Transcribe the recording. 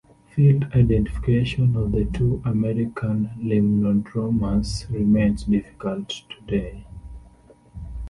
Field identification of the two American "Limnodromus" remains difficult today.